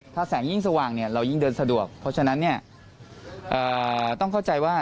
ถ้าแสงยิ่งสว่างเรายิ่งเดินสะดวกเพราะฉะนั้นต้องเข้าใจว่า